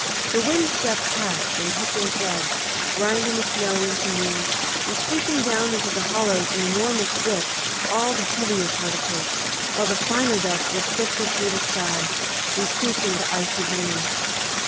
The wind swept past in hissing floods, grinding the snow into meal and sweeping down into the hollows in enormous drifts all the heavier particles, while the finer dust was sifted through the sky, increasing the icy gloom.